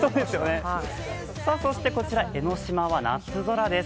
そして、こちら江の島は夏空です。